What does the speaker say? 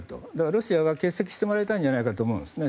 ロシアは欠席してもらいたいと思うんじゃないんですかね